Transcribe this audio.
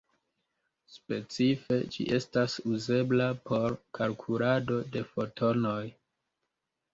Specife, ĝi estas uzebla por kalkulado de fotonoj.